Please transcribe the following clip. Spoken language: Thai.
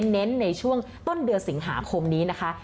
เน้นในช่วงต้นเดือนสิงหาคมนี้นะคะ